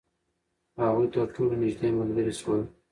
هغوی تر ټولو نژدې ملګري شول.